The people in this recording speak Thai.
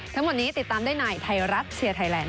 ทั้งหมดนี้ติดตามด้วยนายไทรัตเชียร์ไทยแลนด์ค่ะ